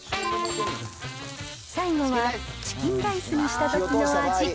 最後は、チキンライスにしたときの味。